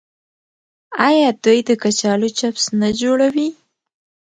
آیا دوی د کچالو چپس نه جوړوي؟